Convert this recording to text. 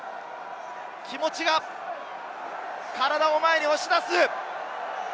気持ちが体を前に押し出す。